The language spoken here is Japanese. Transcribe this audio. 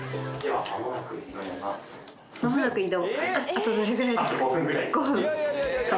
「あとどれぐらいですか？」